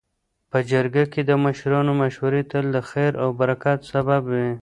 . په جرګه کي د مشرانو مشورې تل د خیر او برکت سبب وي.